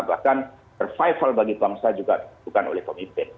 bahkan survival bagi bangsa juga bukan oleh pemimpin